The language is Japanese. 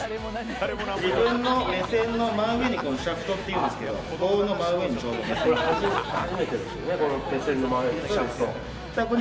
自分の目線の真上にシャフトっていうんですけど顔の真上に。